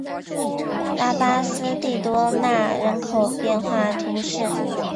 拉巴斯蒂多纳人口变化图示